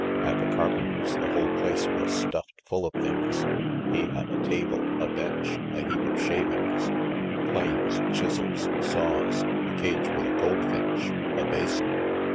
At the carpenter's the whole place was stuffed full of things: he had a table, a bench, a heap of shavings, planes, chisels, saws, a cage with a goldfinch, a basin.